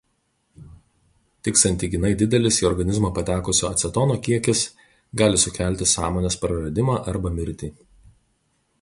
Tik santykinai didelis į organizmą patekusio acetono kiekis gali sukelti sąmonės praradimą arba mirtį.